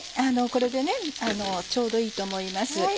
これでねちょうどいいと思います。